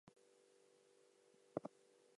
Dark traps him with walls of fire.